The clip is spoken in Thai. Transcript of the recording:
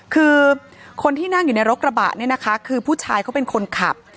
คือคนที่นั่งอยู่ในรถกระบะคือผู้ชายเค้าเป็นคนขับ